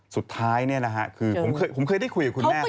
สุดท้ายนี่นะฮะคือผมเคยได้คุยกับคุณแม่เขา